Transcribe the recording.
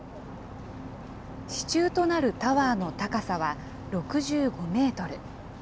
支柱となるタワーの高さは、６５メートル。